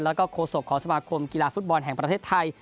แล้วก็โฆษกของสมาคมกีฬาฟุตบอลแห่งประเทศไทย